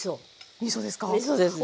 みそですね。